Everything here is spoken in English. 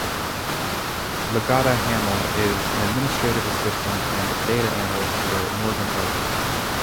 Legata Hamill is an administrative assistant and data analyst for Morgan Oakes.